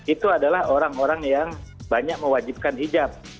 itu adalah orang orang yang banyak mewajibkan hijab